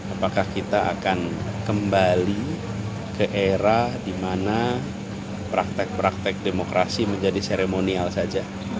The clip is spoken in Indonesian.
apakah kita akan kembali ke era di mana praktek praktek demokrasi menjadi seremonial saja